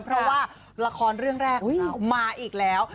เพราะว่าละครเรื่องแรกมาอีกแล้ว